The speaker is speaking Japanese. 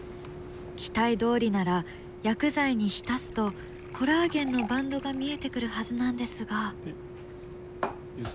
期待どおりなら薬剤に浸すとコラーゲンのバンドが見えてくるはずなんですが。